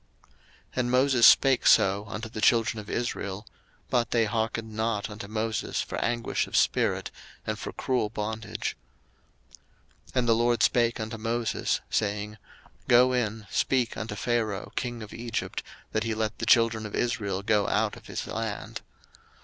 02:006:009 And Moses spake so unto the children of Israel: but they hearkened not unto Moses for anguish of spirit, and for cruel bondage. 02:006:010 And the LORD spake unto Moses, saying, 02:006:011 Go in, speak unto Pharaoh king of Egypt, that he let the children of Israel go out of his land.